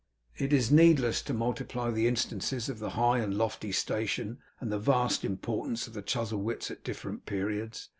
It is needless to multiply instances of the high and lofty station, and the vast importance of the Chuzzlewits, at different periods.